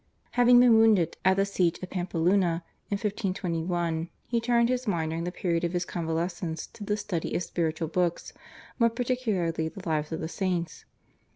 Having been wounded at the siege of Pampeluna in 1521 he turned his mind during the period of his convalescence to the study of spiritual books, more particularly the Lives of the Saints.